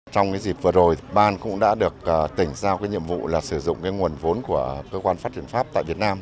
trong dịp vừa rồi ban cũng đã được tỉnh giao nhiệm vụ là sử dụng cái nguồn vốn của cơ quan phát triển pháp tại việt nam